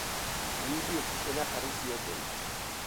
Willy ezizena jarri zioten.